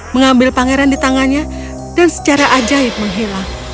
mengambil pangeran di tangannya dan secara ajaib menghilang